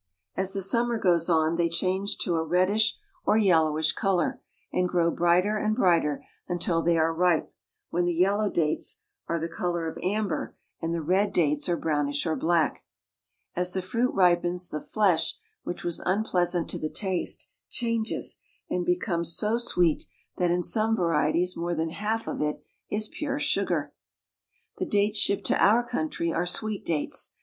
k As the summer goes on, they change to a reddish or ■ yellowish color, and grow brighter and brighter until they ripe, when the I yellow dates are the I color of amber and dates arc ibrownish or black. As ■the fruit ripens, the [flesh, which was un I pleasant to the taste, Kchanges and becomes [.BO sweet that in some (varieties more than lalf of it is pure Psugar. The dates shippud ' to our country vl sweet dates.